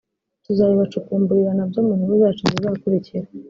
tuzabibacukumburira nabyo mu nkuru zacu zizakurikira